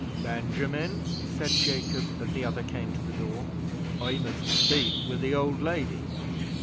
"Benjamin," said Jacob, as the other came to the door, "I must speak with the old lady."